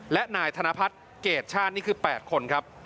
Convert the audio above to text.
และนายธนพัฒน์เกรดชาตินี่คือ๘คนครับ